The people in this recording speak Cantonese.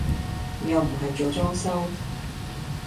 又唔係做裝修